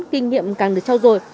kinh nghiệm càng được trao dồi